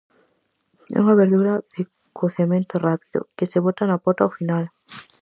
É unha verdura de cocemento rápido, que se bota na pota ao final.